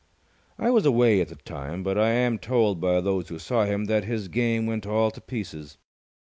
I was away at the time, but I am told by those who saw him that his game went all to pieces.